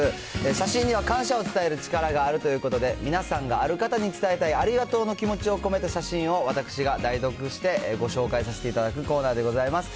写真には感謝を伝える力があるということで、皆さんがある方に伝えたいありがとうの気持ちを込めた写真を私が代読してご紹介させていただくコーナーでございます。